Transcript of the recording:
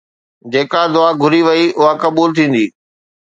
جيڪا دعا گهري وئي اها قبول ٿيندي.